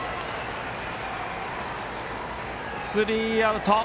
スリーアウト。